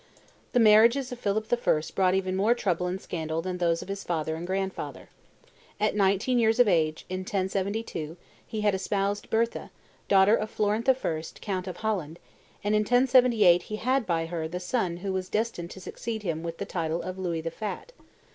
The marriages of Philip I. brought even more trouble and scandal than those of his father and grandfather. At nineteen years of age, in 1072, he had espoused Bertha, daughter of Florent I., count of Holland, and in 1078 he had by her the son who was destined to succeed him with the title of Louis the Fat.